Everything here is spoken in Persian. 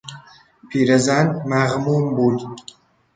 پیرزن مغموم بود.